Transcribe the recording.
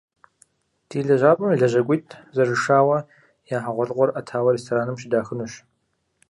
Ди лэжьапӏэм и лэжьакӏуитӏ зэрышауэ, я хьэгъуэлӏыгъуэр ӏэтауэ рестораным щыдахынущ.